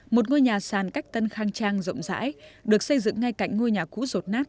một ngôi nhà sàn cách tân khang trang rộng rãi được xây dựng ngay cạnh ngôi nhà cũ rột nát